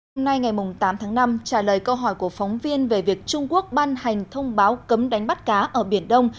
hôm nay ngày tám tháng năm trả lời câu hỏi của phóng viên về việc trung quốc ban hành thông báo cấm đánh bắt cá ở biển đông